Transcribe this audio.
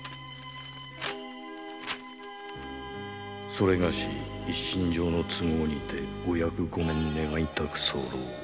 「それがし一身上の都合にてお役御免願いたく」